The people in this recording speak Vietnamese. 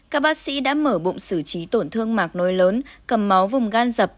các bác sĩ đã mở bụng xử trí tổn thương mạc nối lớn cầm máu vùng gan dập